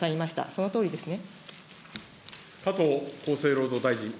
そのとおりですね。